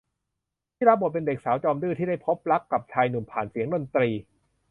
ที่รับบทเป็นเด็กสาวจอมดื้อที่ได้พบรักกับชายหนุ่มผ่านเสียงดนตรี